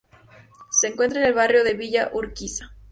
Se encuentra en el barrio de Villa Urquiza.